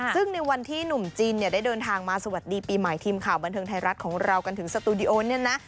ซึ่งในวันที่หนุ่มจีนเนี่ยได้เดินทางมาสวัสดีปีใหม่ทีมข่าวบันเทิงไทยรัฐของเรากันถึงสตูดิโอเนี่ยนะ